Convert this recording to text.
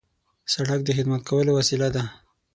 سړک د خدمت کولو وسیله ده.